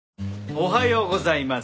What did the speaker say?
おはようございます。